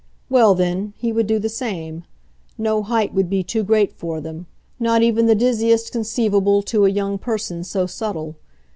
Well then, he would do the same; no height would be too great for them, not even the dizziest conceivable to a young person so subtle.